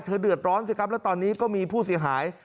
เดือดร้อนสิครับแล้วตอนนี้ก็มีผู้เสียหาย